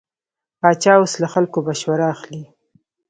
پاچا اوس له خلکو مشوره اخلي.